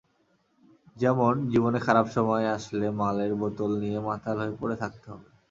যেমন, জীবনে খারাপ সময় আসলে মালের বোতল নিয়ে মাতাল হয়ে পড়ে থাকতে হবে।